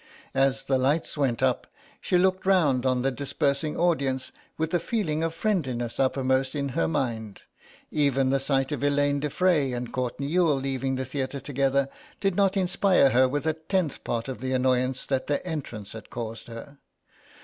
As the lights went up she looked round on the dispersing audience with a feeling of friendliness uppermost in her mind; even the sight of Elaine de Frey and Courtenay Youghal leaving the theatre together did not inspire her with a tenth part of the annoyance that their entrance had caused her.